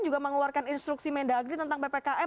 juga mengeluarkan instruksi mendagri tentang ppkm